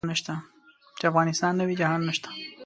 چې افغانستان نه وي جهان نشته.